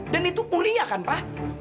dan itu mulia kan pak